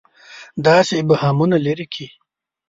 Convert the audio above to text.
دا چې ابهامونه لري کړي.